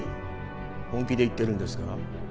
本気で言ってるんですか？